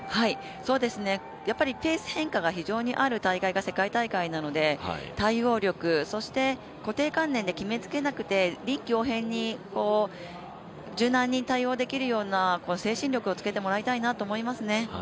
ペース変化が非常にある大会が世界大会なので対応力、そして固定観念で決めつけないで臨機応変に、柔軟に対応できるような精神力をつけてもらいたいなと思いますね。